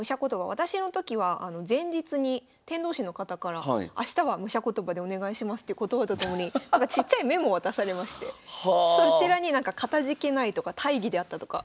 私の時は前日に天童市の方から「あしたは武者言葉でお願いします」という言葉と共にちっちゃいメモを渡されましてそちらになんか「かたじけない」とか「大儀であった」とか。